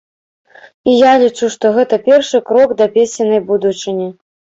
І я лічу, што гэта першы крок да песеннай будучыні.